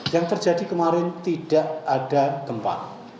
yang terjadi kemarin tidak ada gempa